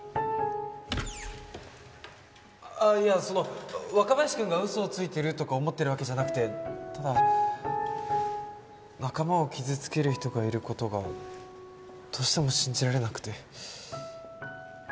あっいやその若林くんが嘘をついてるとか思ってるわけじゃなくてただ仲間を傷つける人がいる事がどうしても信じられなくて。